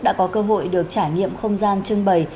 đã có cơ hội được trải nghiệm không gian trưng bày